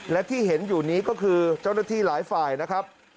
และที่เห็นอยู่นี้ก็คือเจ้าหน้าที่หลายฝ่ายนะครับ